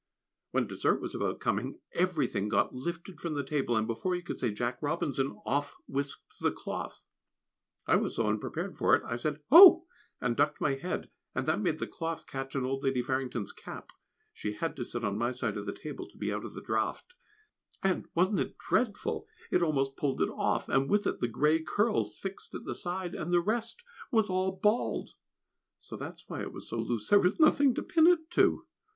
When dessert was about coming, everything thing got lifted from the table, and before you could say "Jack Robinson" off whisked the cloth. I was so unprepared for it that I said "Oh!" and ducked my head, and that made the cloth catch on old Lady Farrington's cap she had to sit on my side of the table, to be out of the draught and, wasn't it dreadful, it almost pulled it off, and with it the grey curls fixed at the side, and the rest was all bald. So that was why it was so loose there was nothing to pin it to!